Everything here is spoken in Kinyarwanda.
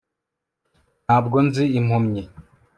ntabwo nzi impumyi